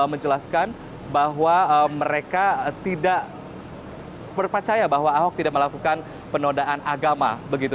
menjelaskan bahwa mereka tidak percaya bahwa ahok tidak melakukan penodaan agama